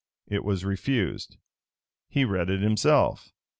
It was refused. He read it himself.